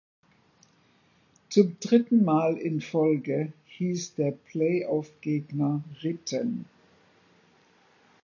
Zum dritten Mal in Folge hieß der Playoff-Gegner Ritten.